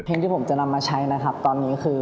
ที่ผมจะนำมาใช้นะครับตอนนี้คือ